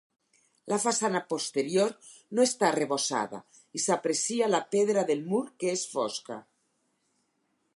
La façana posterior, no està arrebossada i s’aprecia la pedra del mur que és fosca.